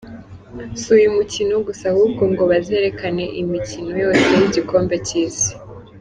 Si uyu mukino gusa ahubwo ngo bazerekana imikino yose y'igikombe cy'isi.